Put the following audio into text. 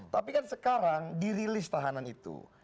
tapi kan sekarang dirilis tahanan itu